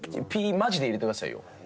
ピーマジで入れてくださいよ？